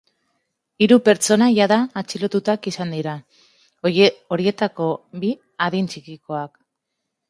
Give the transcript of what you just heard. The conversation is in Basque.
Hiru pertsona jada atxilotuak izan dira, horietako bi adin txikikoak.